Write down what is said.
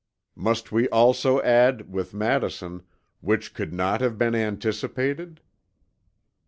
Must we also add, with Madison "which could not have been anticipated"?